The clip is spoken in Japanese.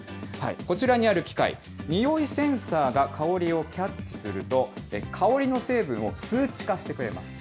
こちらにある機械、匂いセンサーが香りをキャッチすると、香りの成分を数値化してくれます。